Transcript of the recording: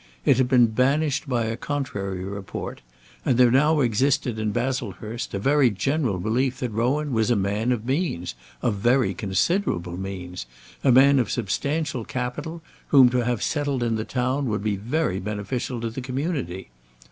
It had been banished by a contrary report; and there now existed in Baslehurst a very general belief that Rowan was a man of means, of very considerable means, a man of substantial capital, whom to have settled in the town would be very beneficial to the community.